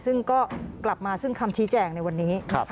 ซึ่งก็กลับมาซึ่งคำชี้แจงในวันนี้